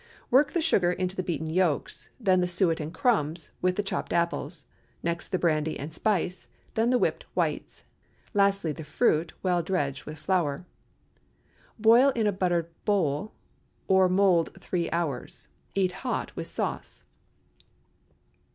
Work the sugar into the beaten yolks; then the suet and crumbs, with the chopped apples; next the brandy and spice, then the whipped whites; lastly the fruit, well dredged with flour. Boil in a buttered bowl or mould three hours. Eat hot with sauce.